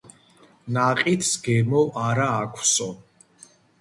ნაყიდს გემო არა აქვსო